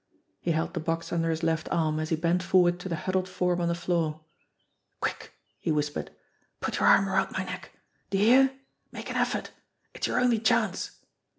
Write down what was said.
He held the box under his left arm, as he bent forward to the huddled form on the floor. "Quick!" he whispered. "Put your arm around my neck. Do you hear? Make an effort! It's your only chance."